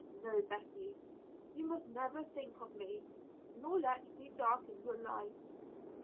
"No, Betty. You must never think of me, nor let me darken your life."